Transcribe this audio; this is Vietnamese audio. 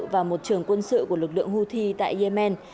và một trường quân sự của lực lượng houthi tại yemen